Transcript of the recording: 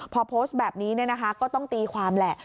พอโพสต์แบบนี้ก็ต้องตีความแหละ